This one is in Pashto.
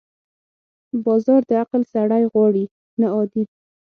بازار د عقل سړی غواړي، نه عادي.